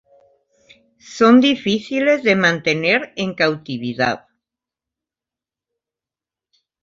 Son difíciles de mantener en cautividad.